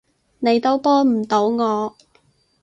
你都幫唔到我